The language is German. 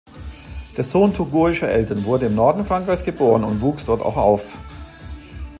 Der Sohn togoischer Eltern wurde im Norden Frankreichs geboren und wuchs auch dort auf.